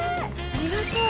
ありがとう。